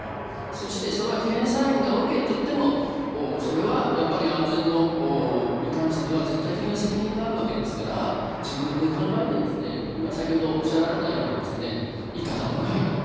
そしてそれは検査員がＯＫと言ってもそれは安全に関しては絶対的な責任があるわけですから自分で考えて今先ほどおっしゃられたようにいかだもないと。